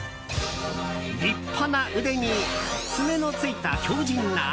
立派な腕に爪のついた強靭な足。